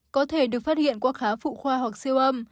có thể được phát hiện qua khá phụ khoa hoặc siêu âm